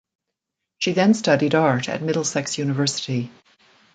She then studied art at Middlesex University.